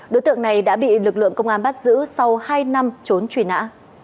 đối tượng này đã bị lực lượng công an bắt giữ sau hai năm trốn truy nã